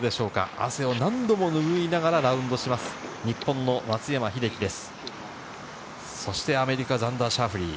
汗を何度もぬぐいながらラウンドします、日本の松山英樹です。